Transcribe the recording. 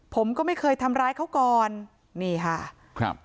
ผมก็ไม่เคยทำร้ายเขาก่อนนี่ค่ะครับ